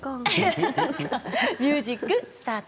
ミュージックスタート。